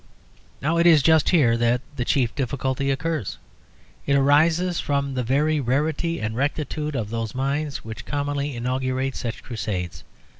Now it is just here that the chief difficulty occurs. It arises from the very rarity and rectitude of those minds which commonly inaugurate such crusades.